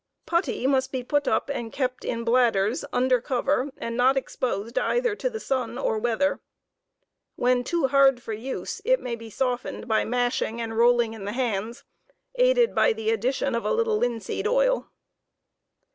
Putty must be put up and kept in bladders, under cover, and not exposed either to the sun or weather. When too hard for use, it may be softened by mashing and rolling in the hands, aided by the addition of a little linseed oil.